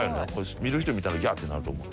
見る人見たらギャーってなると思う。